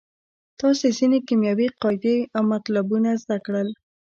تاسې ځینې کیمیاوي قاعدې او مطلبونه زده کړل.